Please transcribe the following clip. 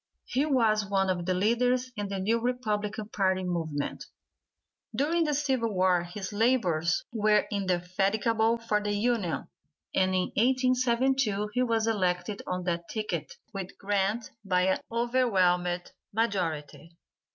He was one of the leaders in the new Republican party movement. During the civil war his labors were indefatigable for the Union, and in 1872 he was elected on that ticket with Grant by an overwhelming majority.